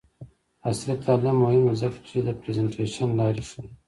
عصري تعلیم مهم دی ځکه چې د پریزنټیشن لارې ښيي.